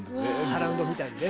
サラウンドみたいにね。